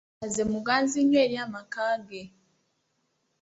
Baze muganzi nnyo eri amaka ge.